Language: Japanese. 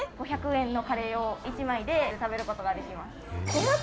５００円のカレーを１枚で食べることができます。